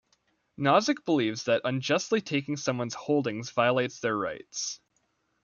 Nozick believes that unjustly taking someone's holdings violates their rights.